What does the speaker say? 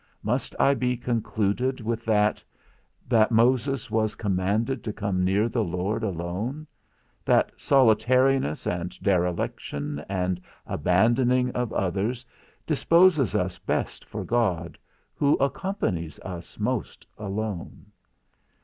Must I be concluded with that, that Moses was commanded to come near the Lord alone; that solitariness, and dereliction, and abandoning of others, disposes us best for God, who accompanies us most alone?